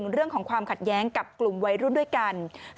เรื่องของความขัดแย้งกับกลุ่มวัยรุ่นด้วยกัน